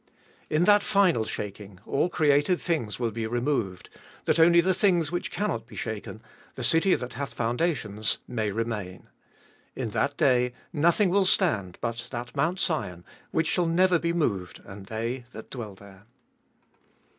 In that final shaking all created things will be removed, that only the things which cannot be shaken, the city that hath foundations, may remain. In that day nothing will stand but that Mount Sion, which shall never be moved, and they that dwell there.